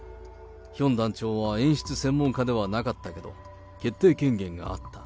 ヒョン団長は演出専門家ではなかったけど、決定権限があった。